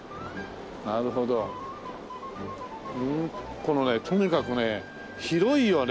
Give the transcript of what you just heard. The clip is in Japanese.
このねとにかくね広いよね！